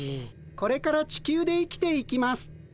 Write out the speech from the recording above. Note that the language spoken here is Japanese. これからチキュウで生きていきます。